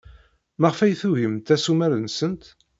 Maɣef ay tugimt assumer-nsent?